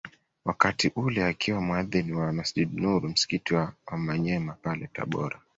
Wakati ule akiwa muadhin wa Masjid Nur msikiti wa Wamanyema pale Tabora